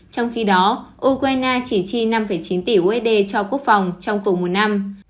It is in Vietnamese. trong khi đó ukraine chỉ chi năm chín tỷ usd cho quốc phòng trong cùng một năm